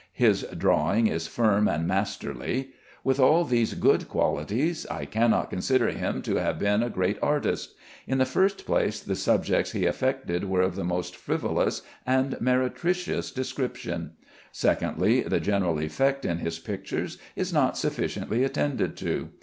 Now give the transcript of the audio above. His drawing is firm and masterly. With all these good qualities I cannot consider him to have been a great artist. In the first place, the subjects he affected were of the most frivolous and meretricious description. Secondly, the general effect in his pictures is not sufficiently attended to.